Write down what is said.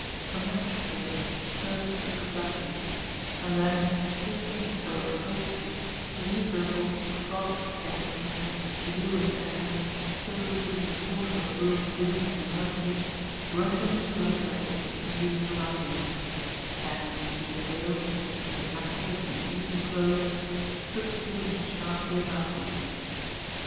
A match flame spurted through the blackness; and then, hissing as though in protest, the miserable, clogged gas jet, blue with air, still leaving the corners of the room dim and murky, grudgingly lighted up its immediate surroundings and Jimmie Dale, immaculate in evening clothes, stood looking sharply about him.